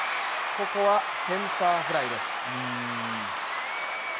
ここはセンターフライです。